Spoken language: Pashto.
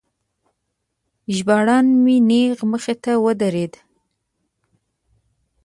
ژباړن مې نیغ مخې ته ودرید.